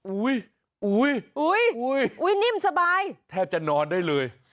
อุ้ยอุ้ยอุ้ยอุ้ยนิ่มสบายแทบจะนอนได้เลย